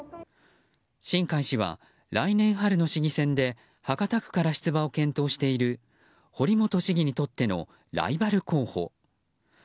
新開氏は、来年春の市議選で博多区から出馬を検討している堀本市議にとってのライバル候補。